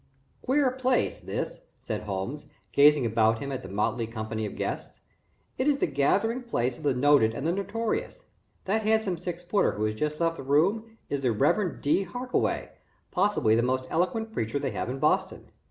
"Queer place, this," said Holmes, gazing about him at the motley company of guests. "It is the gathering place of the noted and the notorious. That handsome six footer, who has just left the room, is the Reverend Dr. Harkaway, possibly the most eloquent preacher they have in Boston.